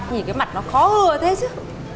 nhìn cái mặt nó khó hừa thế chứ